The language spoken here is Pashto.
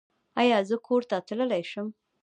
ایا زه کور ته تللی شم؟